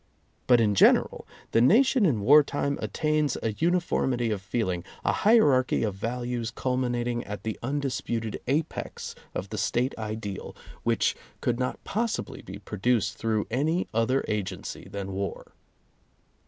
But in general, the nation in war time attains a uniformity of feeling, a hierarchy of values culminating at the undis puted apex of the State ideal, which could not possibly be produced through any other agency than war.